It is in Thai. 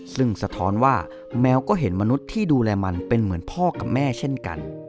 ซึ่งสะท้อนว่าแมวก็เห็นมนุษย์ที่ดูแลมันเป็นเหมือนพ่อกับแม่เช่นกัน